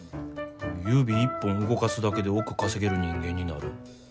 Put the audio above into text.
指一本動かすだけで億稼げる人間になる。